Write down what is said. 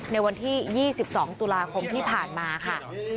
ในวันที่๒๒ตุลาคมที่ผ่านมาค่ะ